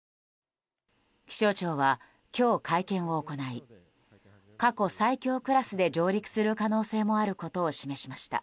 気象庁は、今日会見を行い過去最強クラスで上陸する可能性もあることを示しました。